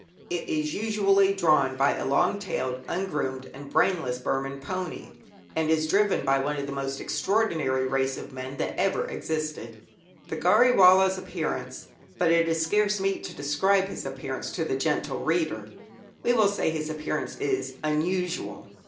It is usually drawn by a long tailed, ungroomed and brainless Burman pony, and is driven by one of the most extraordinary race of men that ever existed. The "Gharry Wallah's" appearance but it is scarce meet to describe his appearance to the gentle reader; we will say his appearance is unusual.